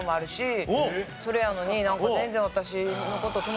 それやのになんか全然。